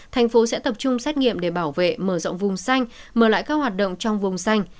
thành phố sẽ tập trung xét nghiệm để bảo vệ mở rộng vùng xanh mở lại các hoạt động trong vùng xanh